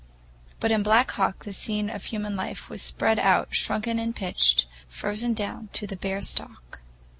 But in Black Hawk the scene of human life was spread out shrunken and pinched, frozen down to the bare stalk.